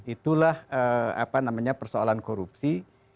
itulah apa namanya persoalan korupsi